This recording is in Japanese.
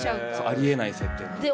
ありえない設定。